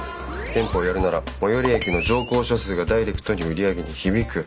店舗をやるなら最寄り駅の乗降者数がダイレクトに売り上げに響く。